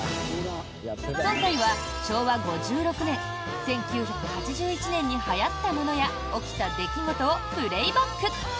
今回は昭和５６年、１９８１年にはやったものや起きた出来事をプレーバック。